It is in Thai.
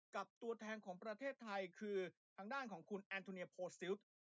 กับตัวแทนของประเทศไทยคือทางด้านของคุณแอนโทเนียโพซิล